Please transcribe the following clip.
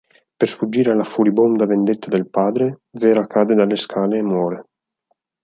Per sfuggire alla furibonda vendetta del padre, Vera cade dalle scale e muore.